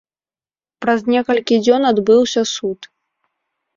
Праз некалькі дзён адбыўся суд.